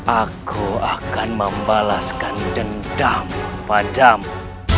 aku akan membalaskan dendam padamu